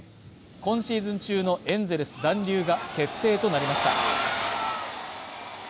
今シーズン中のエンゼルス残留が決定となりました